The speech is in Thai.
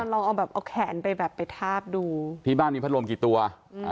ลองเอาแบบเอาแขนไปแบบไปทาบดูที่บ้านมีพัดลมกี่ตัว